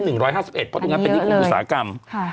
เพราะงั้นเป็นอีก๖อุตสาหกรรม